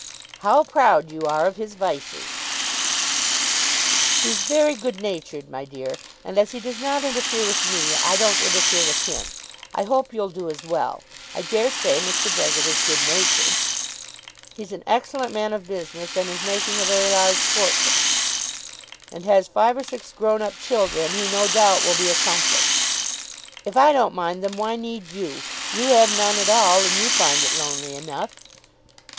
"How proud you are of his vices." "He's very good natured, my dear, and as he does not interfere with me, I don't interfere with him. I hope you'll do as well. I dare say Mr. Brehgert is good natured." "He's an excellent man of business, and is making a very large fortune." "And has five or six grown up children, who, no doubt, will be a comfort." "If I don't mind them, why need you? You have none at all, and you find it lonely enough."